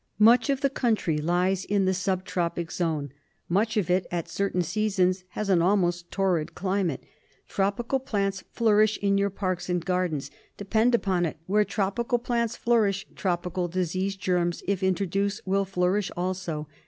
Much of the country lies in the sub tropic zone ; much of it at certain seasons has an almost torrid climate. Tropical plants flourish in your parks and gardens. Depend upon it, where tropical plants flourish, tropical disease germs, if introduced, will flourish also.